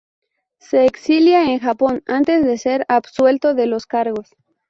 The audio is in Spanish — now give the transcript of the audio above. Se exilia en Japón antes de ser absuelto de los cargos.